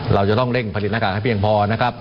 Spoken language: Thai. เราจะต้องเร่งผลิตหน้ากากให้เพียงพอนะครับ